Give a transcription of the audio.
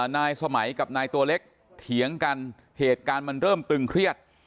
นายสมัยกับนายตัวเล็กเถียงกันเหตุการณ์มันเริ่มตึงเครียด